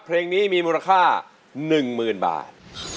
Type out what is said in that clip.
เพลงนี้มีมูลค่า๑หมื่นบาท